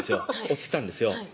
落ちてたんですよ